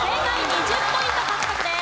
２０ポイント獲得です。